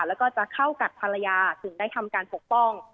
แล้วก็จะเข้ากัดภรรยาถึงได้ทำการปกป้อง